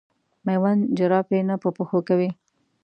مېوند جراپي نه په پښو کوي.